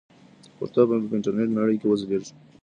پښتو به په انټرنیټي نړۍ کې وځلیږي.